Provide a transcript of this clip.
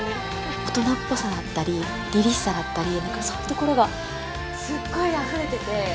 大人っぽさだったり、りりしさだったり、なんかそういうところが、すっごいあふれてて。